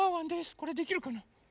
これできるかな？